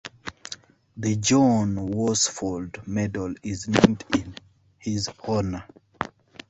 The John Worsfold Medal is named in his honour.